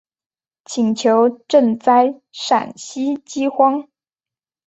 请求赈灾陕西饥荒。